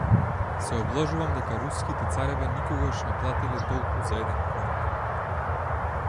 Се обложувам дека Руските цареви никогаш не платиле толку за еден коњ.